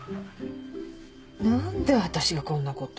何でわたしがこんなこと。